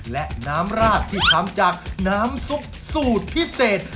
และน้ำราดที่ทำจากน้ำซุปสูตรพิเศษ